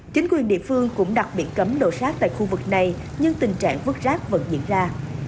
chính quyền địa phương cũng đặt biển cấm đổ rác tại khu vực này nhưng tình trạng vứt rác vẫn diễn ra